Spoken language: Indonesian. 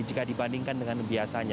jika dibandingkan dengan biasanya